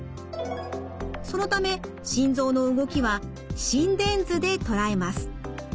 そのため心臓の動きは心電図で捉えます。